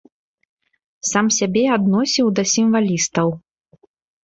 Сам сябе адносіў да сімвалістаў.